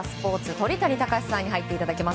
鳥谷敬さんに入っていただきます。